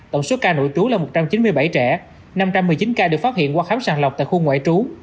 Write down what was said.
tổng số ca nội trú là một trăm chín mươi bảy trẻ năm trăm một mươi chín ca được phát hiện qua khám sàng lọc tại khu ngoại trú